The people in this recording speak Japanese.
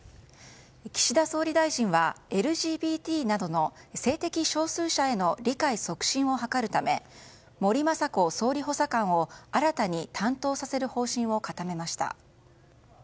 岸田総理大臣はＬＧＢＴなどの性的少数者への理解促進を図るため森雅子総理補佐官を新たに担当させる方針を固めました。